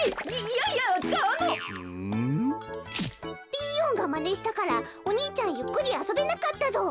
ピーヨンがまねしたからお兄ちゃんゆっくりあそべなかったぞ。